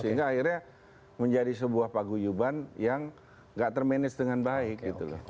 sehingga akhirnya menjadi sebuah paguyuban yang nggak termanage dengan baik gitu loh